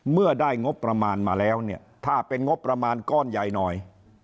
เมื่อได้งบประมาณมาแล้วเนี่ยถ้าเป็นงบประมาณก้อนใหญ่หน่อย